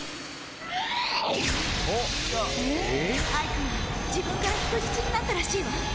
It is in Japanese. アイクが自分から人質になったらしいわ。